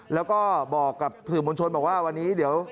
แล้วก็บอกกับสื่อมวลชนบอกว่าวันนี้เดี๋ยว